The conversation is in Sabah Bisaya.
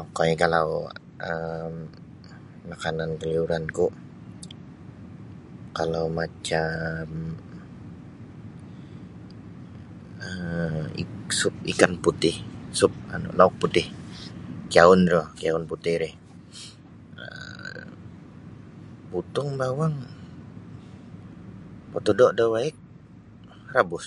Okoi kalau um makanan kaliuran ku kalau macam um sup ikan putih sup anu lauk putih kiaun putih ri um putung bawang potodo da waig rabus.